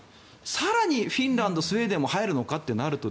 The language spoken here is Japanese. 更にフィンランドスウェーデンも入るのかとなると。